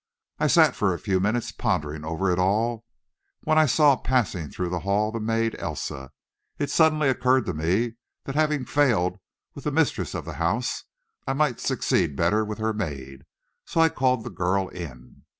I sat for a few minutes pondering over it all, when I saw passing through the hall, the maid, Elsa. It suddenly occurred to me, that having failed with the mistress of the house, I might succeed better with her maid, so I called the girl in.